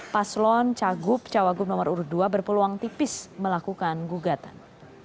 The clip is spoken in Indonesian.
paslon cagup cawagup nomor urut dua berpeluang tipis melakukan gugatan